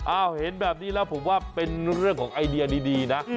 เห็นแบบนี้แล้วผมว่าเป็นเรื่องของไอเดียดีนะ